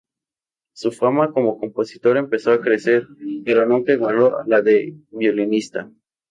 Su fama como compositor empezó a crecer, pero nunca igualó a la de violinista.